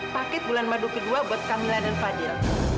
paket bulan madu kedua buat kamila dan fadil